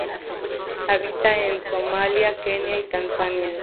Habita en Somalia, Kenia y Tanzania.